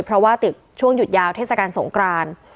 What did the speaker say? เพราะว่าติดช่วงหยุดยาวเทศกาลสงคราน